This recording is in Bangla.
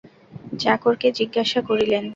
চাকরকে জিজ্ঞাসা করিলেন।